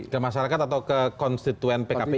ke masyarakat atau ke konstituen pkpu